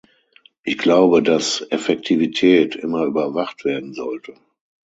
Ich glaube, dass Effektivität immer überwacht werden sollte.